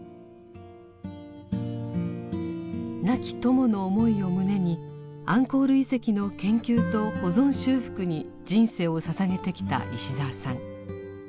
亡き友の思いを胸にアンコール遺跡の研究と保存修復に人生をささげてきた石澤さん。